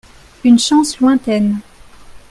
Une chance lointaine.